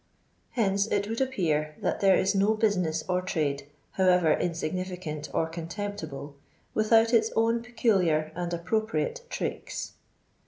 Hence it would appear, that there is no business or trade, however insignificant or contemptible, without its own peculiar and appropriate tricks.